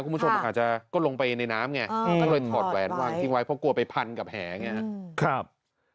คุณผู้ชมอาจจะก็ลงไปในน้ำไงก็เลยถอดแหวนวางทิ้งไว้เพราะกลัวไปพันกับแหไง